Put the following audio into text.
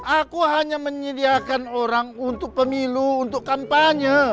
aku hanya menyediakan orang untuk pemilu untuk kampanye